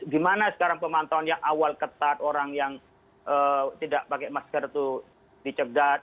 dimana sekarang pemantauan yang awal ketat orang yang tidak pakai masker itu dicegat